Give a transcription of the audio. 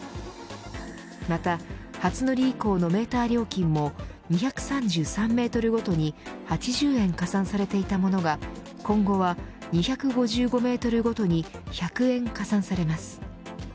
また初乗り以降のメーター料金も２３３メートルごとに８０円加算されていたものが今後は２５５メートルごとに１００円加算されます。